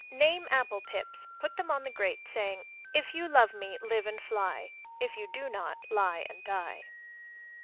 Name apple pips, put them on the grate, saying, If you love me, live and fly; If you do not, lie and die.